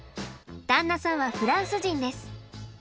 旦那さんはフランス人です。